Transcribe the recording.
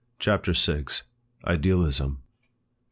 CHAPTER VI. IDEALISM.